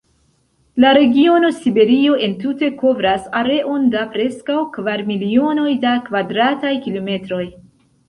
La regiono Siberio entute kovras areon da preskaŭ kvar milionoj da kvadrataj kilometroj.